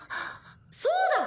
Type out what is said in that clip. そうだ！